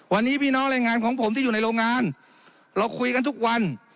วันนี้พี่น้องแรงงานของผมที่อยู่ในโรงงานเราคุยกันทุกวัน